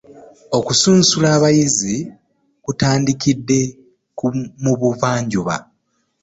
Okunsunsula abayizi kutandikidde mu bugwanjuba.